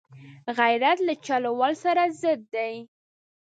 غیرت له چل ول سره ضد دی